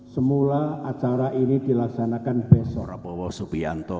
semula acara ini dilaksanakan besok